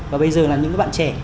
và bây giờ là những bạn trẻ